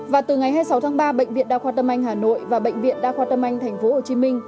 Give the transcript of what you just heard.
và từ ngày hai mươi sáu tháng ba bệnh viện đa khoa tâm anh hà nội và bệnh viện đa khoa tâm anh tp hcm